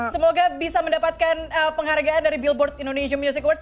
semoga bisa mendapatkan penghargaan dari billboard indonesia music awards